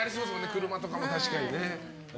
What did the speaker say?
車とかも確かにね。